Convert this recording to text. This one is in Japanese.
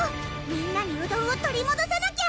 みんなにうどんを取りもどさなきゃ！